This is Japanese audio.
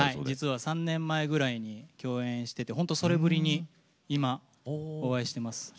実は３年前ぐらいに共演しててほんとそれぶりに今お会いしてます。